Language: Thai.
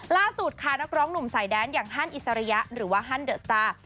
ล่าสุดค่ะนักร้องหนุ่มสายแดนอย่างฮันอิสริยะหรือว่าฮันเดอะสตาร์